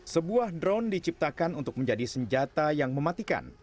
sebuah drone diciptakan untuk menjadi senjata yang mematikan